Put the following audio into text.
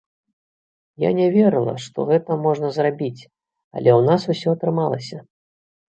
Я не верыла, што гэта можна зрабіць, але ў нас усё атрымалася.